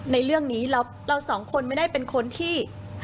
ในเรื่องนี้เราสองคนไม่ได้เป็นคนที่